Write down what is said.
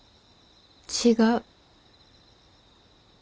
違う。